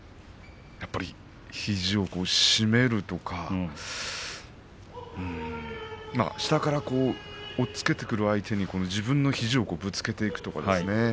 やはり肘を締めるとか下から押っつけてくる相手に自分の肘をぶつけていくとかですね。